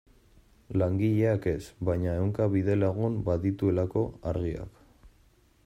Langileak ez, baina ehunka bidelagun badituelako Argiak.